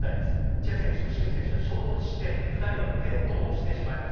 チェ選手とシム選手が衝突して２人は転倒してしまいます。